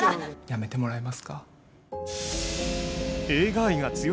辞めてもらえますか。